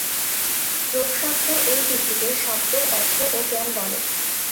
যোগশাস্ত্রে এই তিনটিকে শব্দ, অর্থ ও জ্ঞান বলে।